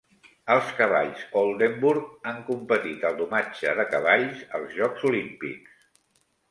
Els cavalls Oldenburg han competit al domatge de cavalls als Jocs Olímpics.